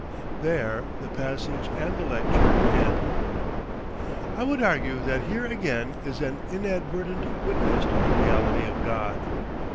There the passage and the lecture end. I would urge that here again is an inadvertent witness to the reality of God.